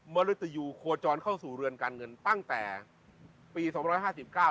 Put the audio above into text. มริตยูโคจรเข้าสู่เรือนการเงินตั้งแต่ปีสองร้อยห้าสิบเก้า